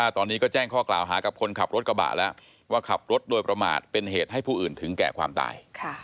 ตอนนี้ก็แจ้งข้อกล่าวหากับคนขับรถกระบะแล้วว่าขับรถโดยประมาทเป็นเหตุให้ผู้อื่นถึงแก่ความตาย